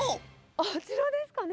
あちらですかね。